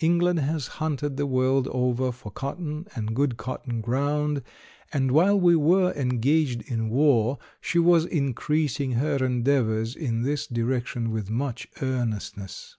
England has hunted the world over for cotton and good cotton ground, and while we were engaged in war she was increasing her endeavors in this direction with much earnestness.